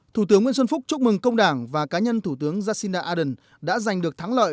thủ tướng nguyễn xuân phúc chúc mừng công đảng và cá nhân thủ tướng jacinda ardern đã giành được thắng lợi